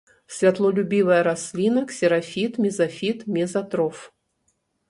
Святлолюбівая расліна, ксерафіт, мезафіт, мезатроф.